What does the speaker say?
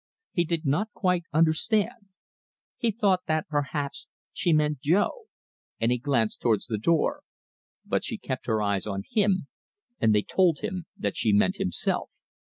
He did not quite understand. He thought that perhaps she meant Jo, and he glanced towards the door; but she kept her eyes on him, and they told him that she meant himself.